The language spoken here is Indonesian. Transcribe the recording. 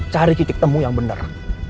cari kitik temu yang bener